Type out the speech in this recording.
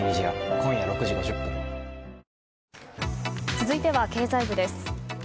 続いては経済部です。